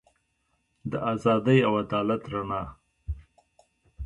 د ازادۍ او عدالت رڼا.